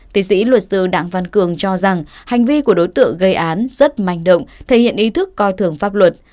tiến sĩ luật sư đặng văn cường cho rằng hành vi của đối tượng gây án rất manh động thể hiện ý thức coi thường pháp luật